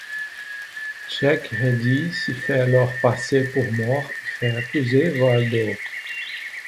Jack Ready se fait alors passer pour mort et fait accuser Waldo.